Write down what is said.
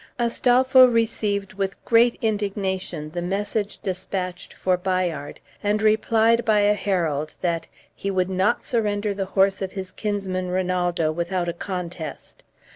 Astolpho received with great indignation the message despatched for Bayard, and replied by a herald that "he would not surrender the horse of his kinsman Rinaldo without a contest.